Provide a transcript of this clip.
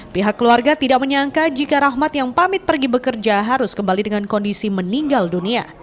pihak keluarga tidak menyangka jika rahmat yang pamit pergi bekerja harus kembali dengan kondisi meninggal dunia